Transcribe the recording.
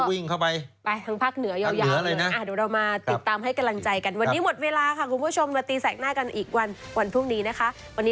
วันนี้หมดเวลาค่ะคุณผู้ชมมาตีแสงหน้ากันอีกวันพรุ่งนี้นะครับ